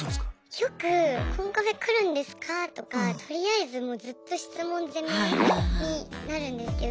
「よくコンカフェ来るんですか？」とかとりあえずもうずっと質問ぜめになるんですけど。